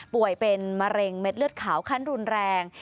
ป่วยเป็นมะเร็งเม็ดเลือดขาวขั้นรุนแรง